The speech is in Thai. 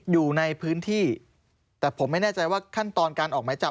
อยู่ในพื้นที่แต่ผมไม่แน่ใจว่าขั้นตอนการออกหมายจับ